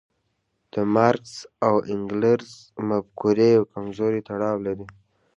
د مارکس او انګلز مفکورې یو کمزوری تړاو لري.